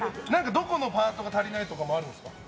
どこのパートが足りないとかあるんですか？